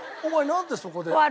お前なんでそこで。